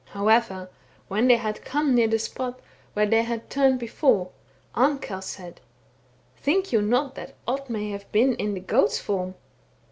However, when they ha^ come near the spot where they had turned before, Arnkell said, * Think you not that Odd may have been in the goat's form